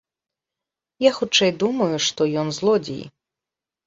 Я хутчэй думаю, што ён злодзей.